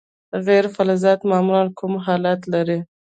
غیر فلزات معمولا کوم حالت لري.